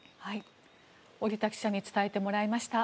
織田記者に伝えてもらいました。